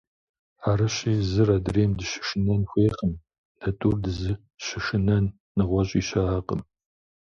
Арыщи зыр адрейм дыщышынэн хуейкъым, дэ тӀур дызыщышынэн нэгъуэщӀи щыӀэкъым.